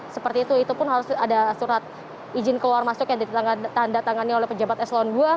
seperti itu itu pun harus ada surat izin keluar masuk yang ditanda tangannya oleh pejabat eselon dua